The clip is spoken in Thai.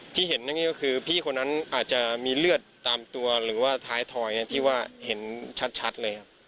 ที่เห็นนั่นก็คือพี่คนนั้นอาจจะมีเลือดตามตัวหรือว่าท้ายถอยที่ว่าเห็นชัดเลยครับ